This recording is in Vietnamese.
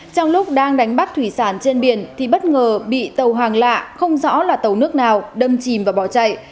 trong lúc đang đánh bắt thủy sản trên biển thì bất ngờ bị tàu hàng lạ không rõ là tàu nước nào đâm chìm và bỏ chạy